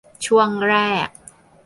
ช่วงแรก